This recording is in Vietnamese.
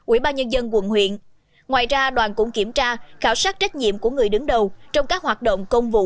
ubnd quận huyện ngoài ra đoàn cũng kiểm tra khảo sát trách nhiệm của người đứng đầu trong các hoạt động công vụ